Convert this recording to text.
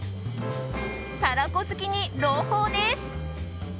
「たらこ好きに朗報です」。